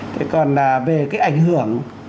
thì còn là về cái ảnh hưởng